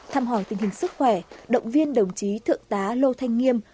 thăm hỏi tình hình sức khỏe động viên đồng chí thượng tá lô thanh nghiêm